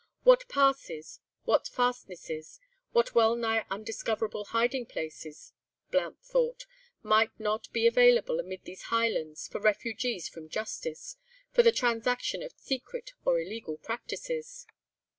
What passes, what fastnesses, what well nigh undiscoverable hiding places, Blount thought, might not be available amid these highlands for refugees from justice—for the transaction of secret or illegal practices!